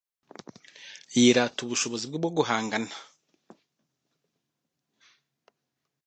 yirata ubushobozi bwe bwo guhangana